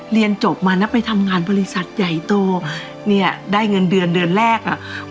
เรียนจบมานะไปทำงานบริษัทใหญ่โตเนี่ยได้เงินเดือนเดือนแรกอ่ะ